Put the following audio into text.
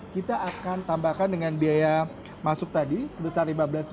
kita akan tambahkan dengan biaya masuk tadi sebesar lima belas tiga ratus sembilan